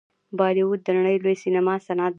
بالیووډ د نړۍ لوی سینما صنعت دی.